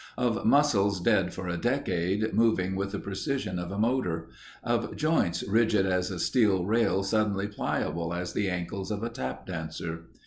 Of muscles dead for a decade, moving with the precision of a motor. Of joints rigid as a steel rail suddenly pliable as the ankles of a tap dancer.